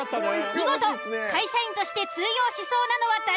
見事会社員として通用しそうなのは誰？